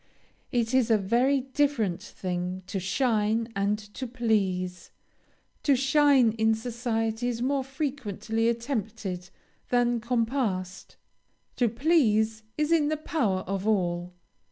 It is a very different thing to shine and to please; to shine in society is more frequently attempted than compassed: to please is in the power of all.